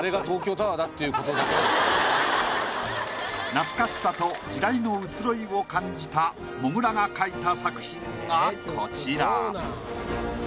懐かしさと時代の移ろいを感じたもぐらが描いた作品がこちら。